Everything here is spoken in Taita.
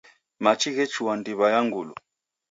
Machi ghechua ndiw'a ya Ngulu.